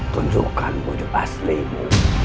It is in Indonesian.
tunjukkan wujud aslimu